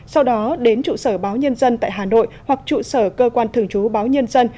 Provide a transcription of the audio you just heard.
sau đó đến trụ sở báo nhân dân tại hà nội hoặc trụ sở cơ quan thường trú báo nhân dân